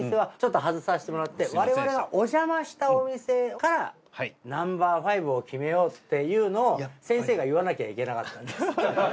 我々がお邪魔したお店からナンバー５を決めようっていうのを先生が言わなきゃいけなかったんです。